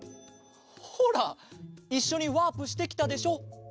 ほらいっしょにワープしてきたでしょ。